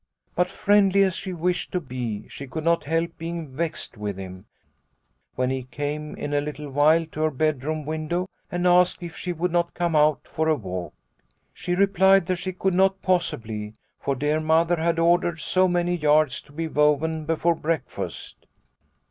" But, friendly as she wished to be, she could not help being vexed with him, when he came in a little while to her bedroom window, and asked if she would not come out for a walk. She replied that she could not possibly, for dear Mother had ordered so many yards to be woven before breakfast.